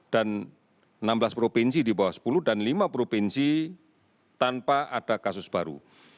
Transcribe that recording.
dan enam belas provinsi di bawah sepuluh dan lima provinsi tanpa ada kasus baru